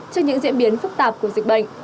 trước những diễn biến phức tạp của dịch bệnh